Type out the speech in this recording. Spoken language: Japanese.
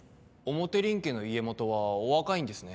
表林家の家元はお若いんですね。